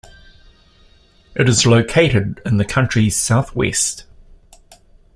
It is located in the country's southwest.